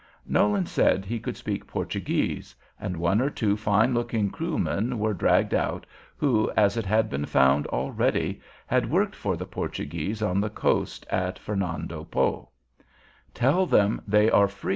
Nolan said he could speak Portuguese, and one or two fine looking Kroomen were dragged out, who, as it had been found already, had worked for the Portuguese on the coast at Fernando Po.